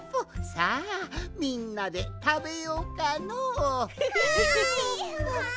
さあみんなでたべようかの。わい！